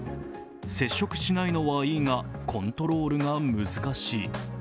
接触しないのはいいがコントロールが難しい。